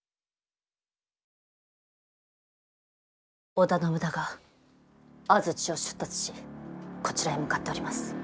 織田信長安土を出立しこちらへ向かっております。